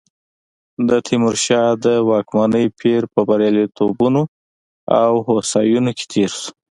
د تیمورشاه د واکمنۍ پیر په بریالیتوبونو او هوساینو کې تېر شو.